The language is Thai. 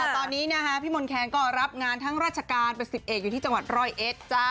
ตอนนี้พี่มนครก็รับงานทั้งราชการประสิทธิ์เอกอยู่ที่จังหวัดรอยเอ็ด